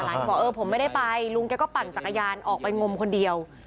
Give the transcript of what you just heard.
บอกเออผมไม่ได้ไปลุงแกก็ปั่นจักรยานออกไปงมคนเดียว